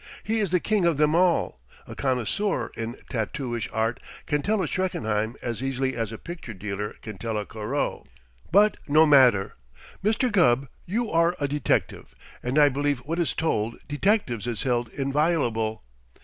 He is the king of them all. A connoisseur in tattooish art can tell a Schreckenheim as easily as a picture dealer can tell a Corot. But no matter! Mr. Gubb, you are a detective and I believe what is told detectives is held inviolable.